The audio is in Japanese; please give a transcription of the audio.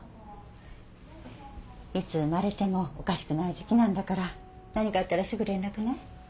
いつ生まれてもおかしくない時期なんだから何かあったらすぐ連絡ね。